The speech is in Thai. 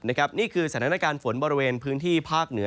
นี่คือสถานการณ์ฝนบริเวณพื้นที่ภาคเหนือ